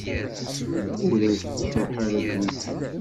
Ur ak-tcuḥḥ ara ddunit.